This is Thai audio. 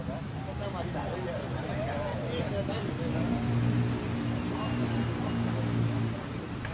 โปรดติดตามตอนต่อไป